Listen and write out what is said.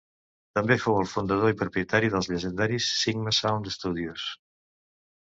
També fou el fundador i propietari dels llegendaris Sigma Sound Studios.